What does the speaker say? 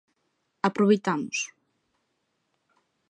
Aproveitamos.